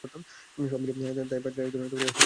সব মিলিয়ে তাই বাজারে একধরনের অস্থিরতা বিরাজ করছে।